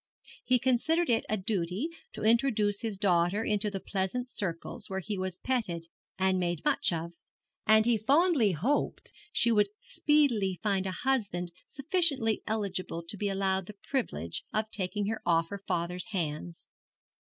He considered it a duty to introduce his daughter into the pleasant circles where he was petted and made much of; and he fondly hoped she would speedily find a husband sufficiently eligible to be allowed the privilege of taking her off her father's hands.